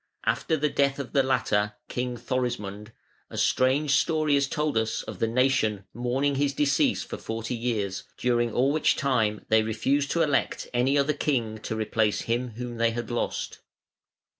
After the death of the latter (King Thorismund) a strange story is told us of the nation mourning his decease for forty years, during all which time they refused to elect any other king to replace him whom they had lost.